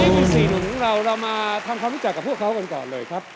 หมู่๔หนุ่มของเราเรามาทำความรู้จักกับพวกเขากันก่อนเลยครับ